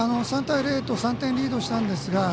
３対０と３点リードしたんですが